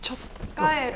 帰る。